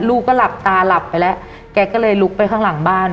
ลูกก็หลับตาหลับไปแล้ว